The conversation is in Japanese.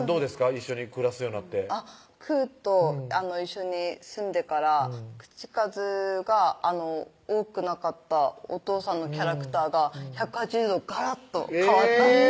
一緒に暮らすようなってくーと一緒に住んでから口数が多くなかったお父さんのキャラクターが１８０度がらっと変わったんです